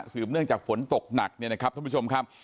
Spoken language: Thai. ืบเนื่องจากฝนตกหนักเนี่ยนะครับท่านผู้ชมครับ